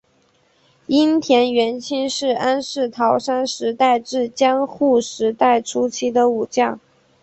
樱田元亲是安土桃山时代至江户时代初期的武将。